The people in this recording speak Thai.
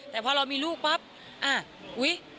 แต่พอเรามีลูกปั๊บอ่ะอุ๊ย